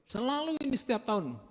selalu ini setiap tahun